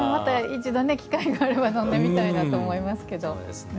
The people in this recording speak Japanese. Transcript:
一度、機会があれば飲んでみたいなと思いますけど。